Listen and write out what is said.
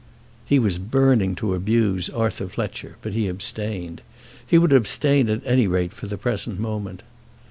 He was burning to abuse Arthur Fletcher, but he abstained. He would abstain at any rate for the present moment.